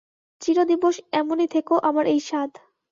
চিরদিবস এমনি থেকো আমার এই সাধ।